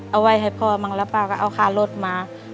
เอาไว้ให้พ่อมั้งแล้วป้าก็เอาค่ารถมา